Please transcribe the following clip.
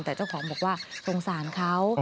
แต่เจ้าของบอกว่าสงสารเขา